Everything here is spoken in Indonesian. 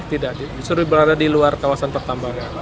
tidak disuruh berada di luar kawasan pertambangan